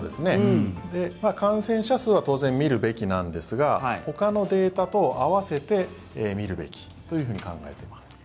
感染者数は当然見るべきなんですがほかのデータと合わせて見るべきと考えてます。